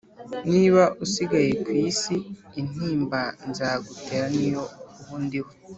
niba usigaye ku isi intimba nzagutera niyo ubu ndiho